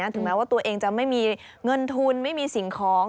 ถึงแม้ว่าตัวเองจะไม่มีเงินทุนไม่มีสิ่งของ